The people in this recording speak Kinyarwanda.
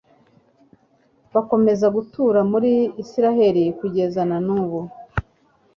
bakomeza gutura muri israheli kugeza na n'ubu